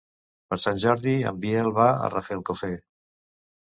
Per Sant Jordi en Biel va a Rafelcofer.